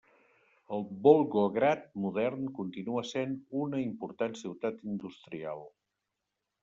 El Volgograd modern continua essent una important ciutat industrial.